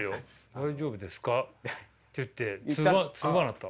「大丈夫ですか？」って言って通話なった。